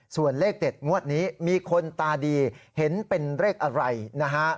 ส่วนเลขเด็ดงวดนี้มีคนตาดีเห็นเป็นเลขอะไรนะฮะ